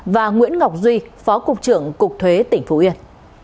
và nguyễn ngọc duy phó cục trưởng cục thuế tỉnh phú yên